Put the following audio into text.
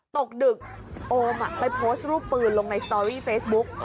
ตกดึกโอมไปโพสต์รูปปืนลงในสตอรี่เฟซบุ๊ก